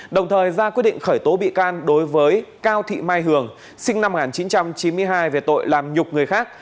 đồng thời ra quyết định khởi tố bị can đối với cao thị mai hường sinh năm một nghìn chín trăm chín mươi hai về tội làm nhục người khác